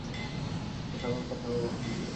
ও কথা আমরা কখন বললুম!